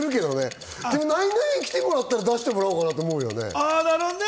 ナイナイに来てもらったら出してもらおうかなと思うよね。